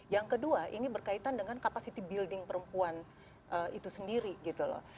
yang kedua ini berkaitan dengan capacity building perempuan itu sendiri gitu loh